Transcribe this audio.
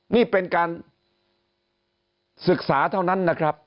นี่เป็นการศึกษาเท่านั้นนะครับ